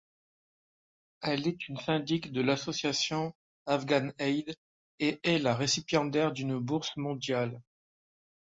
Elle est une syndic de l'association Afghanaid et est la récipiendaire d'une bourse mondiale.